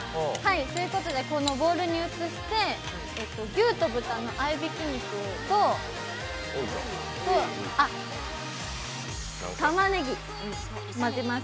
ということで、ボウルに移して牛と豚の合いびき肉とたまねぎを混ぜます。